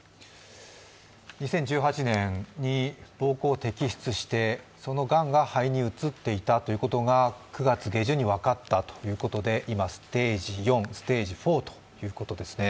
２０１８年に膀胱を摘出して、そのがんが肺に移っていたということが９月下旬に分かったということで、今、ステ−ジ４ということですね。